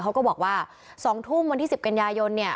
เค้าก็บอกว่า๒ทุ่มวันที่๑๐กย